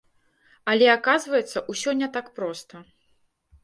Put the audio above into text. Але, аказваецца, усё не так проста.